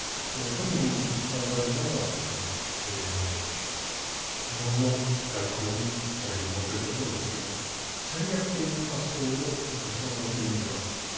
特に一番大事なのは日本の外交に先ほども申し上げたとおりですけど戦略という発想を持ち込んだという意味ではですね